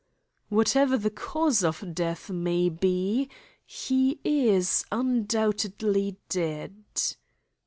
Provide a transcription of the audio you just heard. "Whatever the cause of death may be, he is undoubtedly dead!"